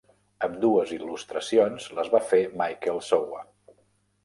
Ambdues il·lustracions les va fer Michael Sowa.